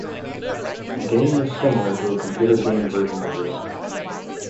The game is similar to a computer game version of Risk.